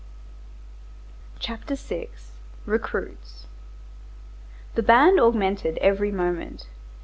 CHAPTER VI—RECRUITS The band augmented every moment.